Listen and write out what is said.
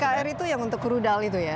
kr itu yang untuk rudal itu ya